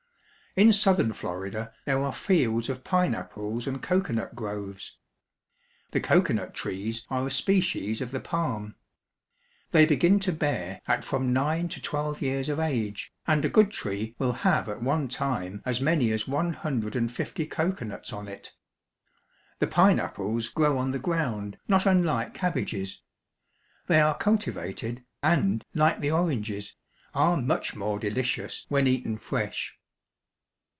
In southern Florida there are fields of pineapples and cocoanut groves. The cocoanut trees are a species of the palm. They begin to bear at from nine to twelve years of age, and a good tree will have at one time as many as one hundred and fifty cocoanuts on it. The pineapples grow on the ground, not unlike cabbages. They are cul tivated, and, like the oranges, are much more delicious when eaten fresh.